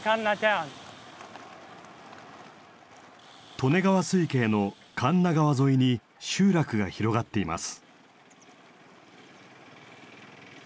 利根川水系の神流川沿いに集落が広がっています。